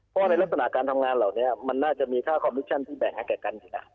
เพราะในลักษณะการทำงานเหล่านี้น่าจะมีภาคคอมพิกชันที่แบ่งกันอยู่กันเนี่ย